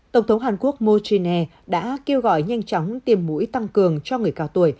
tổng thống hàn quốc mô chí nè đã kêu gọi nhanh chóng tiêm mũi tăng cường cho người cao tuổi